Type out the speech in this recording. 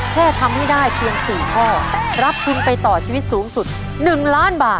แค่ทำให้ได้เพียง๔ข้อรับทุนไปต่อชีวิตสูงสุด๑ล้านบาท